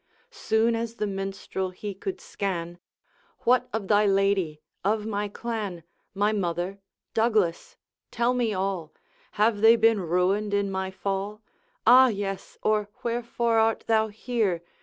Soon as the Minstrel he could scan, 'What of thy lady? of my clan? My mother? Douglas? tell me all! Have they been ruined in my fall? Ah, yes! or wherefore art thou here?